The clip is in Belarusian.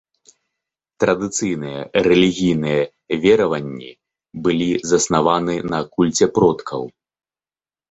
Традыцыйныя рэлігійныя вераванні былі заснаваны на кульце продкаў.